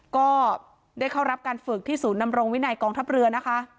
ก็ได้เข้ารับการฝึกที่ศูนย์นำรงวินัยกองทัพเรือนะคะ